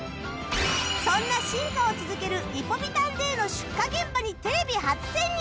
そんな進化を続けるリポビタン Ｄ の出荷現場にテレビ初潜入！